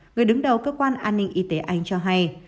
người đứng đầu cơ quan an ninh y tế anh cho hay